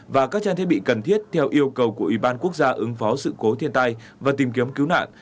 và các trang thiết bị cần thiết theo yêu cầu của ủy ban quốc gia ứng phó sự cố thiên tai và tìm kiếm cứu nạn